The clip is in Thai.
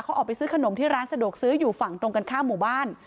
เขาออกไปซื้อขนมที่ร้านสะดวกซื้ออยู่ฝั่งตรงกันข้ามหมู่บ้าน